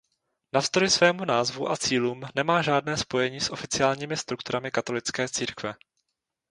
Navzdory svému názvu a cílům nemá žádné spojení s oficiálními strukturami katolické církve.